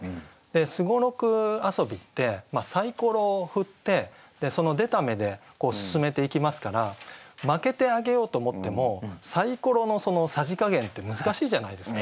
双六遊びってさいころを振ってその出た目で進めていきますから負けてあげようと思ってもさいころのそのさじ加減って難しいじゃないですか。